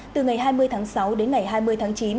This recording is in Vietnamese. từ ngày hai mươi tháng sáu đến ngày hai mươi tháng chín